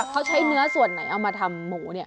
เขาใช้เนื้อส่วนไหนเอามาทำหมูเนี่ย